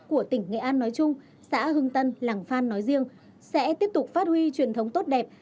của tỉnh nghệ an nói chung xã hưng tân làng phan nói riêng sẽ tiếp tục phát huy truyền thống tốt đẹp